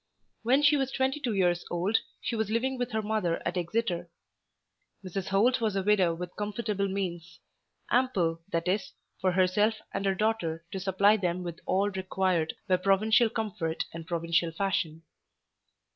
When she was twenty two years old she was living with her mother at Exeter. Mrs. Holt was a widow with comfortable means, ample that is for herself and her daughter to supply them with all required by provincial comfort and provincial fashion.